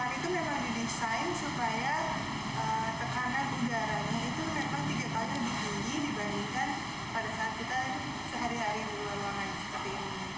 ruangan itu memang didesain supaya tekanan udaranya itu tekanan tiga paru lebih tinggi dibandingkan pada saat kita sehari hari berluar ruangan seperti ini